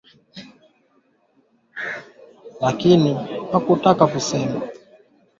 Kula nyasi zenye vimelea vya ugonjwa wa kutupa mimba hueneza ugonjwa kwa ngombe